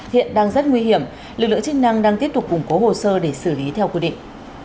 hiện đang rất nguy hiểm lực lượng chức năng đang tiếp tục củng cố hồ sơ để xử lý theo quy định